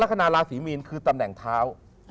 ลักษณะราศีมีนคือตำแหน่งเท้า